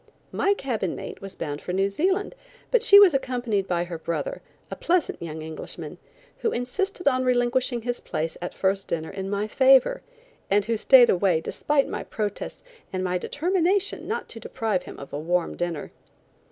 My cabin mate was bound for New Zealand, but she was accompanied by her brother, a pleasant young Englishman, who insisted on relinquishing his place at first dinner in my favor, and who stayed away despite my protests and my determination not to deprive him of a warm dinner.